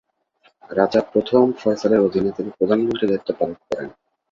রাজা প্রথম ফয়সালের অধীনে তিনি প্রধানমন্ত্রীর দায়িত্ব পালন করেন।